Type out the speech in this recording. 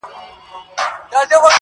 دهقان ولاړی په زاریو د مار کور ته-